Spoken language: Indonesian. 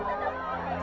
liat aja b rana